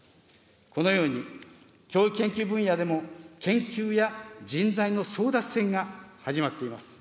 このように教育研究分野でも、研究や人材の争奪戦が始まっています。